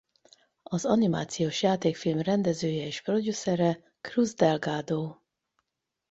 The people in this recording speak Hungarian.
Az animációs játékfilm rendezője és producere Cruz Delgado.